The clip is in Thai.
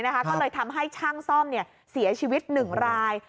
ก็เลยทำให้ช่างซ่อมเสียชีวิต๑ราย